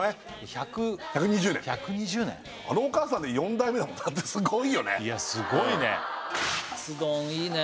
百１２０年１２０年あのお母さんで４代目だもんだってすごいよねいやすごいねカツ丼いいね